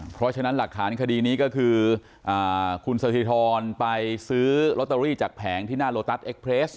เพราะฉะนั้นหลักฐานคดีนี้ก็คือคุณสถิธรไปซื้อลอตเตอรี่จากแผงที่หน้าโลตัสเอ็กเพลส